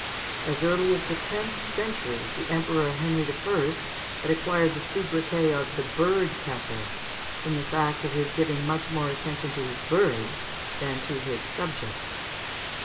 As early as the tenth century the Emperor Henry I. had acquired the soubriquet of "the Bird catcher," from the fact of his giving much more attention to his birds than to his subjects.